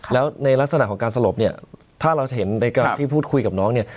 แล้วในลักษณะของการสลบเนี่ยถ้าเราจะเห็นในการที่พูดคุยกับน้องเนี่ย